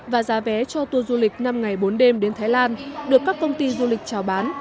và giá vé cho tour du lịch năm ngày bốn đêm đến thái lan được các công ty du lịch trào bán